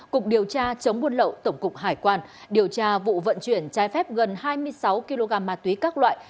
cục điều tra chống buôn lậu tổng cục hải quan điều tra vụ vận chuyển trái phép gần hai mươi sáu kg ma túy các loại